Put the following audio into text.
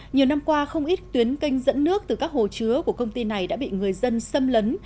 nhiều năm qua không ít tuyến canh dẫn nước từ các hồ chứa của công ty này đã bị người dân xâm lấn